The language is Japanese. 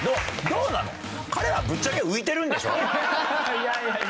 いやいやいや。